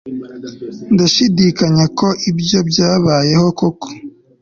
Ndashidikanya ko ibyo byabayeho koko